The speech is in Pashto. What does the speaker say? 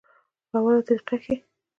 پۀ اوله طريقه کښې